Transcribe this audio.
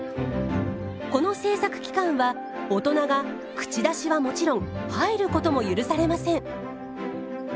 この制作期間は大人が口出しはもちろん入ることも許されません。